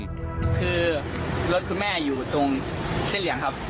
คือรถคุณแม่อยู่ตรงเส้นเหลียงครับ